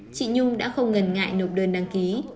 chị nhung đã không ngần ngại nộp đơn đăng ký